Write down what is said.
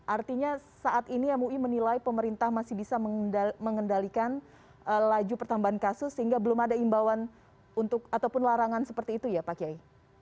artinya saat ini mui menilai pemerintah masih bisa mengendalikan laju pertambahan kasus sehingga belum ada imbauan ataupun larangan seperti itu ya pak kiai